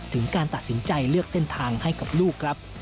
ถึงการตัดสินใจเลือกเส้นทางให้กับลูกครับ